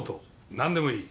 何でもいい。